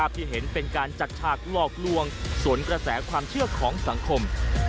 ที่เห็นเป็นการจัดฉากหลอกลวงสวนกระแสความเชื่อของสังคม